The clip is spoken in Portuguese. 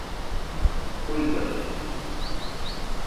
Ôigale